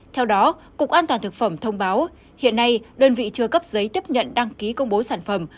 theo đó cục an toàn thực phẩm thông báo hiện nay đơn vị chưa cấp giấy tiếp nhận đăng ký công bố sản phẩm